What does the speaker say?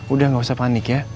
udah gak usah panik ya